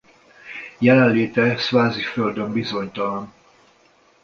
Jelenléte Szváziföldön bizonytalan.